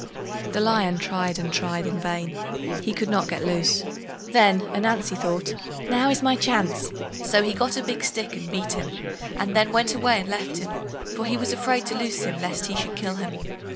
The Lion tried and tried in vain—he could not get loose. Then Ananzi thought, now is my chance; so he got a big stick and beat him, and then went away and left him, for he was afraid to loose him lest he should kill him.